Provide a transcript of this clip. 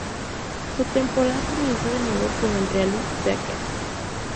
Su temporada comienza de nuevo con el Rally Dakar.